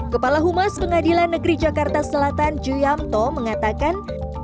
kepala humas pengadilan negeri jakarta selatan ju yamto mengatakan